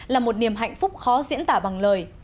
là một niềm hạnh phúc khó diễn tả bằng lời